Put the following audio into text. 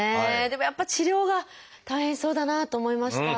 でもやっぱり治療が大変そうだなと思いました。